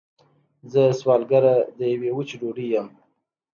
زه سوالګره د یوې وچې ډوډۍ یم